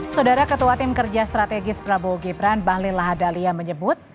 saudara ketua tim kerja strategis prabowo gibran bahlil lahadalia menyebut